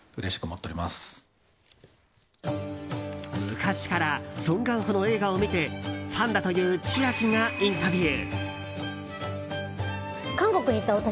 昔からソン・ガンホの映画を見てファンだという千秋がインタビュー。